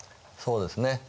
そうですね。